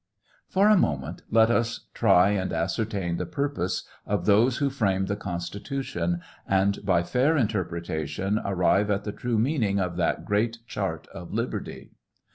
For a moment, let us try and ascertain the purpose of those who framed the Constitution, and by fair interpretation arrive at the true meaning of that great chart of liberty.